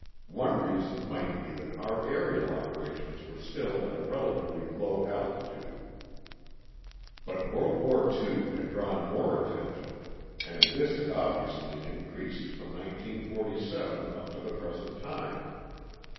One reason might be that our aerial operations were still at a relatively low altitude. But World War II had drawn more attention, and this had obviously increased from 1947 up to the present time.